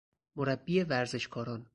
مربی ورزشکاران